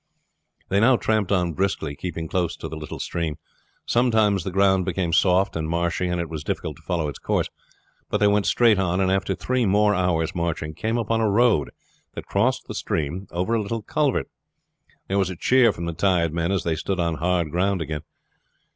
They now tramped on briskly, keeping close to the little stream. Sometimes the ground became soft and marshy, and it was difficult to follow its course; but they went straight on and after three more hours' marching came upon a road that crossed the stream over a little culvert. There was a cheer from the tired men as they stood on hard ground again.